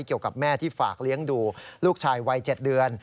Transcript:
เกี่ยวกับแม่ที่ฝากเลี้ยงดูลูกชายวัย๗เดือน